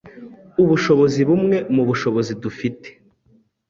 ubushobozi bumwe mu bushobozi dufite,